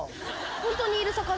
ホントにいる魚？